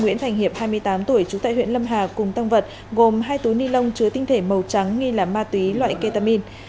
nguyễn thành hiệp hai mươi tám tuổi trú tại huyện lâm hà cùng tăng vật gồm hai túi ni lông chứa tinh thể màu trắng nghi là ma túy loại ketamin